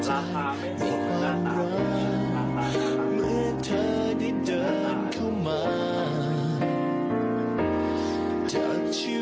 อ้าวไม่ใช่๗คน